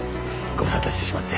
ご無沙汰してしまって。